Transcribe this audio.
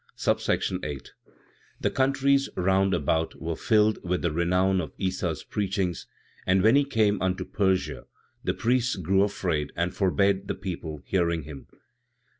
VIII. 1. The countries round about were filled with the renown of Issa's preachings, and when he came unto Persia, the priests grew afraid and forbade the people hearing him; 2.